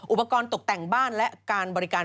อุปกรณ์ตกแต่งบ้านและการบริการ